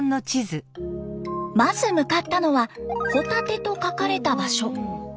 まず向かったのは「ホタテ」と書かれた場所。